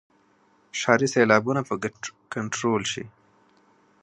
ښاري سیلابونه به کنټرول شي.